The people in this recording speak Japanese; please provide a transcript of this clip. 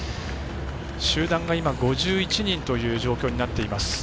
集団が５１人という状況になっています。